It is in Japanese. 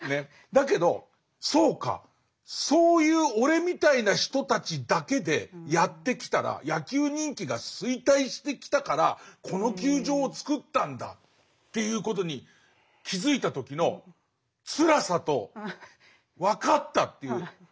だけど「そうかそういう俺みたいな人たちだけでやってきたら野球人気が衰退してきたからこの球場をつくったんだ」ということに気付いた時のつらさと分かったっていう。